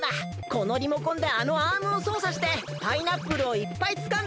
このリモコンであのアームをそうさしてパイナップルをいっぱいつかんだほうがかちだ！